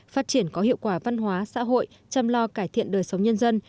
phát triển có hiệu quả văn hóa xã hội chăm lo cải thiện đời sống nhân dân